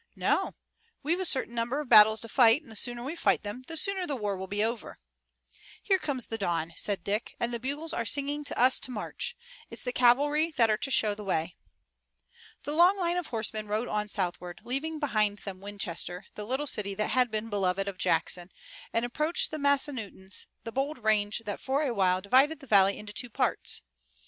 "No. We've a certain number of battles to fight, and the sooner we fight them the sooner the war will be over." "Here comes the dawn," said Dick, "and the bugles are singing to us to march. It's the cavalry that are to show the way." The long line of horsemen rode on southward, leaving behind them Winchester, the little city that had been beloved of Jackson, and approached the Massanuttons, the bold range that for a while divided the valley into two parts.